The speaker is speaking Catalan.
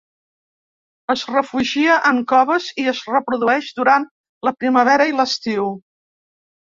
Es refugia en coves i es reprodueix durant la primavera i l'estiu.